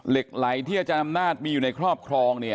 เหล็กไหลที่อาจารย์อำนาจมีอยู่ในครอบครองเนี่ย